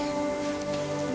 sampai jumpa lagi